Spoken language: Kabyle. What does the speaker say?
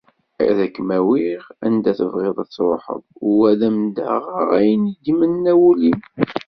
Ad kem-awiɣ anda tebɣiḍ ad truḥeḍ u ad m-d-aɣeɣ ayen i d-imenna wul-im.